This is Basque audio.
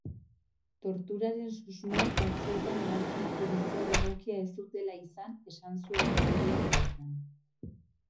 Torturaren susmoek batzuetan erantzun judizial egokia ez dutela izan esan zuen epaileak bertan.